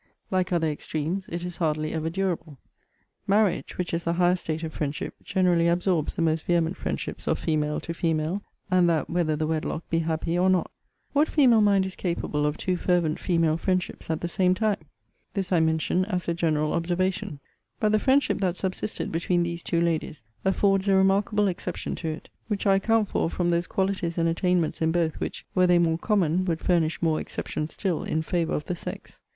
Like other extremes, it is hardly ever durable. Marriage, which is the highest state of friendship, generally absorbs the most vehement friendships of female to female; and that whether the wedlock be happy, or not. What female mind is capable of two fervent female friendships at the same time? This I mention as a general observation; but the friendship that subsisted between these two ladies affords a remarkable exception to it: which I account for from those qualities and attainments in both, which, were they more common, would furnish more exceptions still in favour of the sex.